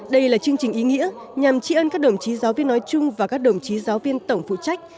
đây là chương trình ý nghĩa nhằm trị ân các đồng chí giáo viên nói chung và các đồng chí giáo viên tổng phụ trách